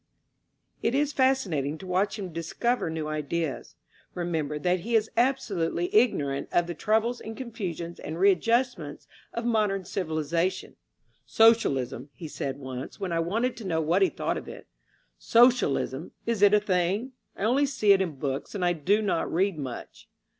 It is fascinating to watch him discover new ideas. Remember that he is absolutely ignorant of the troubles and confusions and readjustments of modern civilization. ^^Socialism," he said once, when I wanted to know what he thought of it: "Socialism — ^is it a thing? I only see it in books, and I do not read much."